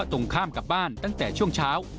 ตรงข้ามกับบ้านตั้งแต่ช่วงเช้า